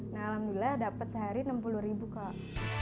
nah alhamdulillah dapet sehari enam puluh ribu kak